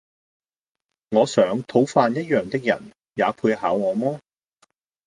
我想，討飯一樣的人，也配考我麼？